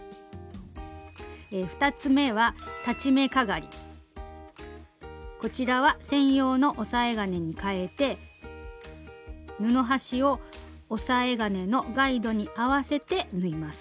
２つ目はこちらは専用の押さえ金にかえて布端を押さえ金のガイドに合わせて縫います。